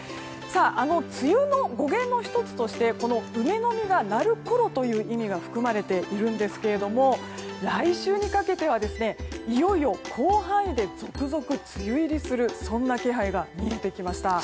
あの梅雨の語源の１つとして梅の実がなるころという意味が含まれているんですけれども来週にかけては、いよいよ広範囲で続々梅雨入りするそんな気配が見えてきました。